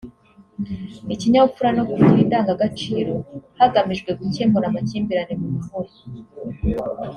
ikinyabupfura no kugira indangagaciro hagamijwe gukemura amakimbirane mu mahoro